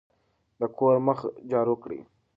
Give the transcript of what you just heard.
د کور مخه جارو کړئ.